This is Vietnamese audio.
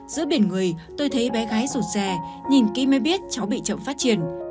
giữa biển người tôi thấy bé gái rụt rè nhìn kỹ mới biết cháu bị chậm phát triển